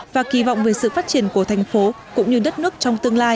và kỳ vọng về sự phát triển của thành phố cũng như đất nước trong tương lai